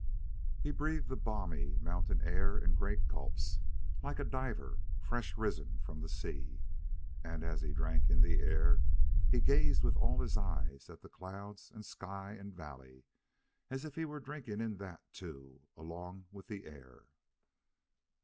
He breathed the balmy mountain air in great gulps, like a diver fresh risen from the sea. And, as he drank in the air, he gazed with all his eyes at the clouds and sky and valley, as if he were drinking in that, too, along with the air.